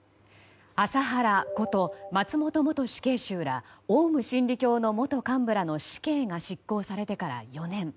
麻原こと松本元死刑囚らオウム真理教の元幹部らの死刑が執行されてから４年。